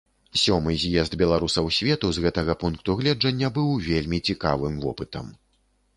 Сёмы з'езд беларусаў свету з гэтага пункту гледжання быў вельмі цікавым вопытам.